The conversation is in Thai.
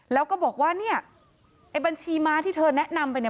แล้วก็บอกว่าเนี่ยไอ้บัญชีม้าที่เธอแนะนำไปเนี่ย